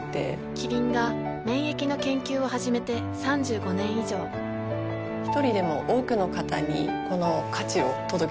キリンが免疫の研究を始めて３５年以上一人でも多くの方にこの価値を届けていきたいと思っています。